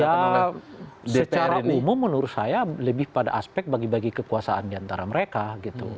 ya secara umum menurut saya lebih pada aspek bagi bagi kekuasaan diantara mereka gitu